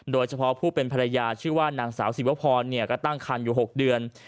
โดยเฉพาะผู้เป็นภรรยาชื่อว่านางสาวศิวพรก็ตั้งคันอยู่๖เดือน